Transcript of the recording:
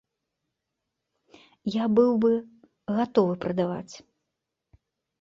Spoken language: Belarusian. Я быў бы гатовы прадаваць.